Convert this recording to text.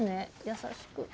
優しく。